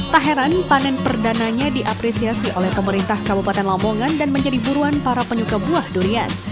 tak heran panen perdananya diapresiasi oleh pemerintah kabupaten lamongan dan menjadi buruan para penyuka buah durian